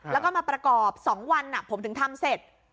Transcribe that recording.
แล้วก็มาประกอบ๒วันผมถึงทำเสร็จ